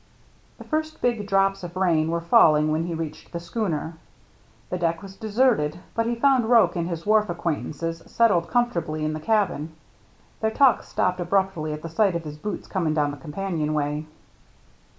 The first big drops of rain were falling when he reached the schooner. The deck was DICK AND HIS MERRT ANNE 23 deserted, but he found Roche and his wharf acquaintances settled comfortably in the cabin. Their talk stopped abruptly at the sight of his boots coming down the companionway.